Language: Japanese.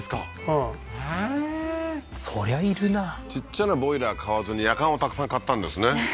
うんへえーそりゃいるなちっちゃなボイラー買わずにヤカンをたくさん買ったんですねははは